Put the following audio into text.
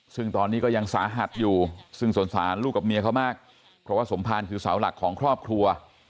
ซึ่งตอนนี้ก็ยังสาหัสอยู่ซึ่งสงสารลูกกับเมียเขามากเพราะว่าสมภารคือเสาหลักของครอบครัว